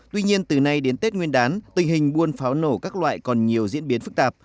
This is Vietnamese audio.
tuy nhiên từ nay đến tết nguyên đán tình hình buôn pháo nổ các loại còn nhiều diễn biến phức tạp